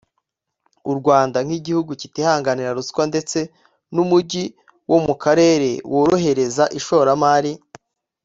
U Rwanda nk’igihugu kitihanganira ruswa ndetse n’umujyi wo mu karere worohereza ishoramari